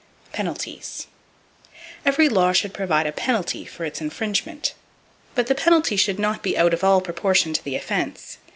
Penalties. —Every law should provide a penalty for its infringement; but the penalty should not be out of all proportion to the offense.